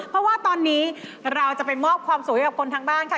เพราะว่าตอนนี้เราจะไปมอบความสวยให้กับคนทางบ้านค่ะ